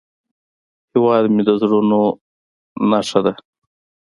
هیواد مې د زړونو نخښه ده